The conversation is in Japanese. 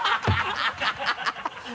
ハハハ